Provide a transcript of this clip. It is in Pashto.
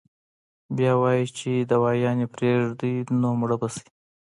بيا وائي چې دوايانې پرېږدي نو مړه به شي -